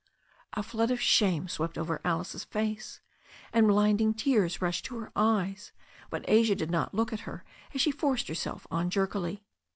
A flood of shame swept over Alice's face, and blinding tears rushed to her eyes, but Asia did not look at her as she forced herself on jerkily.